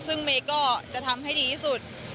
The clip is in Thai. ซึ่งเมย์ก็จะทำให้ดีที่สุด